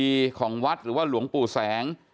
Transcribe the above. เพราะทนายอันนันชายชายเดชาบอกว่าจะเป็นการเอาคืนยังไง